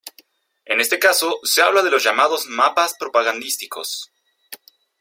En este caso, se habla de los llamados mapas propagandísticos.